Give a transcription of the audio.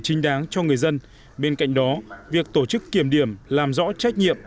chính đáng cho người dân bên cạnh đó việc tổ chức kiểm điểm làm rõ trách nhiệm